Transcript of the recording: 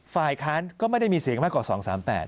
ฝ่ายค้านก็ไม่ได้มีเสียงมากกว่า๒๓๘